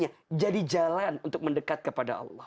maka setiap kebaikan kita bisa menutup hati kepada allah